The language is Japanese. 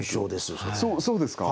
そうですか？